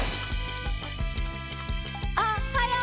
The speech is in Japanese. おっはよう！